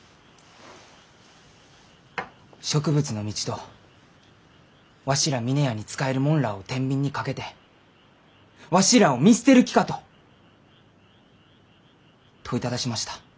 植物の道とわしら峰屋に仕える者らあをてんびんにかけて「わしらあを見捨てる気か？」と問いただしました。